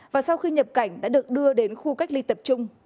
và sau khi nhập cảnh đã được đưa đến khu cách ly tập trung